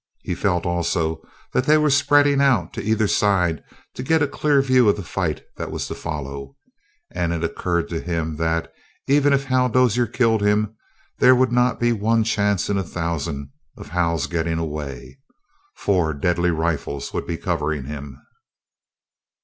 He felt, also, that they were spreading out to either side to get a clear view of the fight that was to follow, and it occurred to him that, even if Hal Dozier killed him, there would not be one chance in a thousand of Hal's getting away. Four deadly rifles would be covering him.